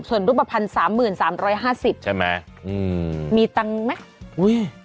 ส่วนรูปภัณฑ์สามหมื่นสามร้อยห้าสิบใช่ไหมอืมมีตังค์ไหมอุ้ย